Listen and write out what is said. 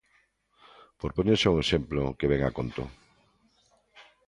Por poñer só un exemplo que vén a conto.